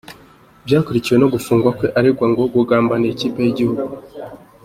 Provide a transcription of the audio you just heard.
Byakurikiwe no gufungwa kwe, aregwa ngo kugambanira ikipe y’igihugu.